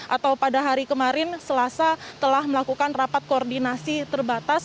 atau pada hari kemarin selasa telah melakukan rapat koordinasi terbatas